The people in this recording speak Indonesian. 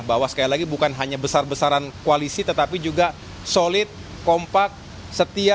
bahwa sekali lagi bukan hanya besar besaran koalisi tetapi juga solid kompak setia